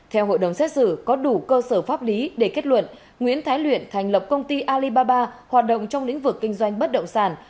theo hội đồng xét xử có đủ cơ sở pháp lý để kết luận nguyễn thái luyện thành lập công ty alibaba hoạt động trong lĩnh vực kinh doanh bất động sản